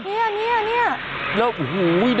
เนี่ยเนี่ยเนี่ย